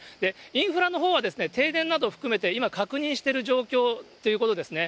インフラのほうは、停電など含めて、今、確認してる状況ということですね。